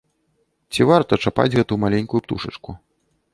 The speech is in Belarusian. Ці варта чапаць гэту маленькую птушачку?